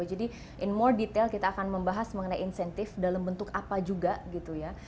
jadi in more detail kita akan membahas mengenai insentif dalam bentuk apa juga gitu ya